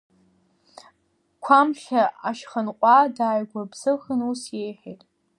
Қәамхьа Ашьханҟәа дааиргәыбзыӷын, ус иеиҳәеит.